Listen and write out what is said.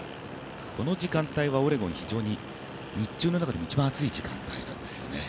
この時間帯はオレゴン非常に日中の中でも一番暑い時間帯なんですよね。